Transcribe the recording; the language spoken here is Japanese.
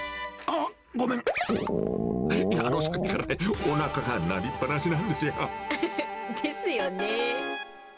あの、さっきからおなかが鳴りっぱなしなんですよ。ですよね。